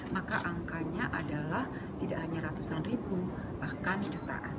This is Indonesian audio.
maka angkanya adalah tidak hanya ratusan ribu bahkan jutaan